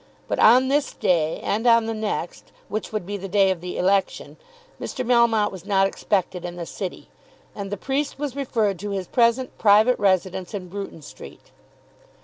But on this day, and on the next, which would be the day of the election, Mr. Melmotte was not expected in the City, and the priest was referred to his present private residence in Bruton Street.